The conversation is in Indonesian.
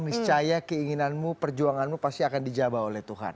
niscaya keinginanmu perjuanganmu pasti akan dijabah oleh tuhan